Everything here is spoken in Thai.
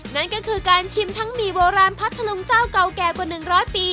นั่นก็คือการชิมทั้งหมี่โบราณพัทธลุงเจ้าเก่าแก่กว่า๑๐๐ปี